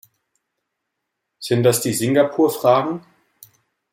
Sind das die Singapur-Fragen?